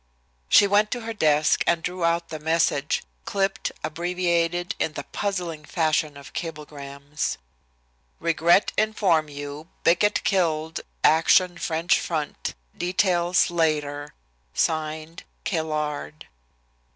She went to her desk, and drew out the message, clipped, abbreviated in the puzzling fashion of cablegrams: "Regret inform you, Bickett killed, action French front. Details later." (Signed) "CAILLARD."